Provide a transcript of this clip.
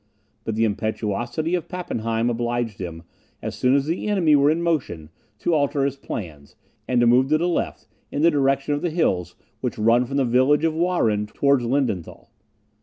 But the impetuosity of Pappenheim obliged him, as soon as the enemy were in motion, to alter his plans, and to move to the left, in the direction of the hills which run from the village of Wahren towards Lindenthal.